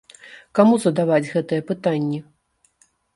Каму задаваць гэтыя пытанні?